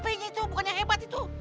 mbak be itu bukan yang hebat itu